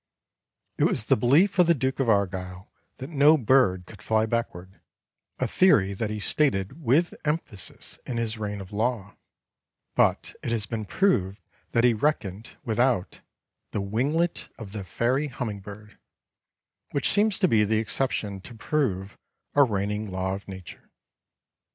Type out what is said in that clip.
It was the belief of the Duke of Argyle that no bird could fly backward, a theory that he stated with emphasis in his Reign of Law, but it has been proved that he reckoned without "the winglet of the fairy hummingbird," which seems to be the exception to prove a reigning law of Nature.